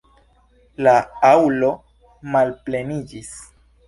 La aŭlo malpleniĝis.